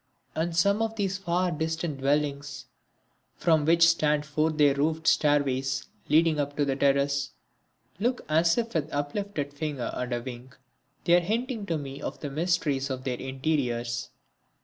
And some of these far distant dwellings from which stand forth their roofed stair ways leading up to the terrace, look as if with uplifted finger and a wink they are hinting to me of the mysteries of their interiors.